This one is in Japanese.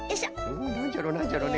んなんじゃろなんじゃろね？